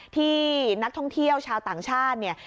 ที่นักท่องเที่ยวชาวต่างชาติเนี่ย